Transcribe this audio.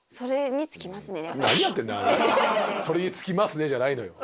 「それにつきますね」じゃないのよ。